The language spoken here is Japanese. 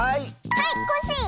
はいコッシー！